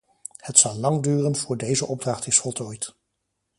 Het zal lang duren voor deze opdracht is voltooid.